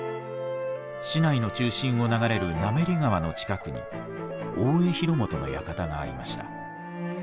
市内の中心を流れる滑川の近くに大江広元の館がありました。